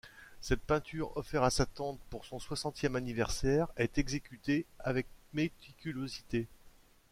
Cette peinture, offert à sa tante pour son soixantième anniversaire, est exécutée avec méticulosité.